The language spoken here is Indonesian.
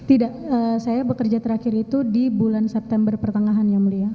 tidak saya bekerja terakhir itu di bulan september pertengahan yang mulia